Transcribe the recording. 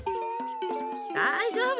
だいじょうぶ。